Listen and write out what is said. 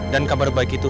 dan kabar baik itu